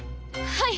はい！